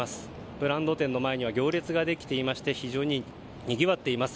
ブランド店の前には行列ができていまして非常ににぎわっています。